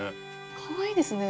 かわいいですね。